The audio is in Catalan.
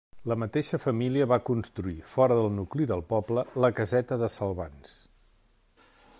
La mateixa família va construir, fora del nucli del poble, la caseta de Salvans.